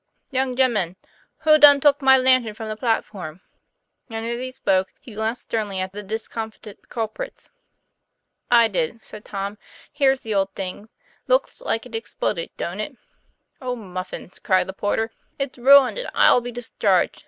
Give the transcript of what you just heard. ' Young gemmen, who done tuk my lantern from the platform?" And as he spoke he glanced sternly at the discomfited culprits. " I did," said Tom. " Here's the old thing; looks like it's exploded, don't it?" ; 'Oh, muffins!" cried the porter, "it's ruined, and I'll be discharged.